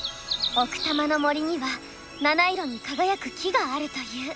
奥多摩の森には七色に輝く木があるという。